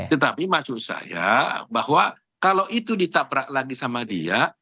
tetapi maksud saya bahwa kalau itu ditabrak lagi sama dia